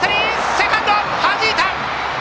セカンド、はじいた！